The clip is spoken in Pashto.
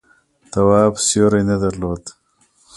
تواب سیوری نه درلود.